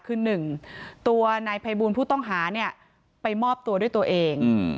คือ๑ตัวนายภัยบูลผู้ต้องหาเนี่ยไปมอบตัวด้วยตัวเอง